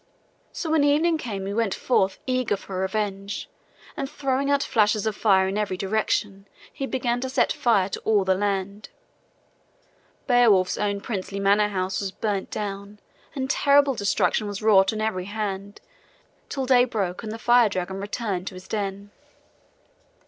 So when evening came he went forth eager for revenge, and throwing out flashes of fire in every direction, he began to set fire to all the land. Beowulf's own princely manor house was burnt down and terrible destruction was wrought on every hand, till day broke and the fire dragon returned to his den.